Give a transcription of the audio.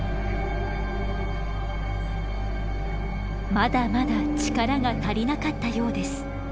まだまだ力が足りなかったようです。